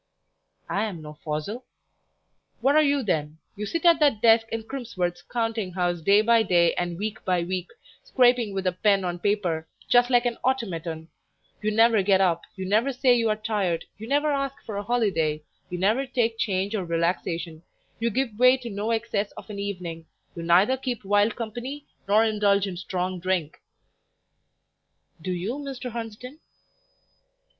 "I am no fossil." "What are you then? You sit at that desk in Crimsworth's counting house day by day and week by week, scraping with a pen on paper, just like an automaton; you never get up; you never say you are tired; you never ask for a holiday; you never take change or relaxation; you give way to no excess of an evening; you neither keep wild company, nor indulge in strong drink." "Do you, Mr. Hunsden?"